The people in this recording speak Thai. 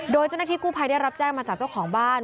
โดยเจ้าหน้าที่กู้ภัยได้รับแจ้งมาจากเจ้าของบ้าน